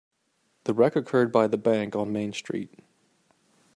The wreck occurred by the bank on Main Street.